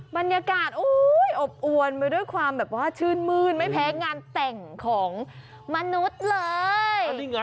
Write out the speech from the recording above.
บรรยากาศอบอวนไปด้วยความแบบว่าชื่นมื้นไม่แพ้งานแต่งของมนุษย์เลย